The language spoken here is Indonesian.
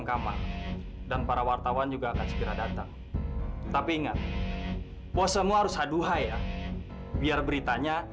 sampai jumpa di video selanjutnya